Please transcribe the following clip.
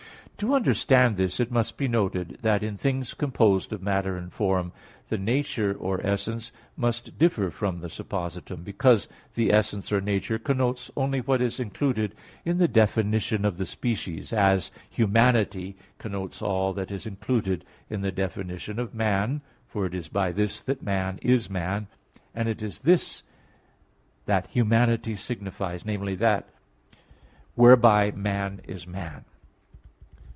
To understand this, it must be noted that in things composed of matter and form, the nature or essence must differ from the suppositum, because the essence or nature connotes only what is included in the definition of the species; as, humanity connotes all that is included in the definition of man, for it is by this that man is man, and it is this that humanity signifies, that, namely, whereby man is man.